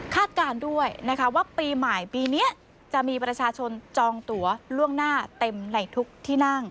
การด้วยนะคะว่าปีใหม่ปีนี้จะมีประชาชนจองตัวล่วงหน้าเต็มในทุกที่นั่ง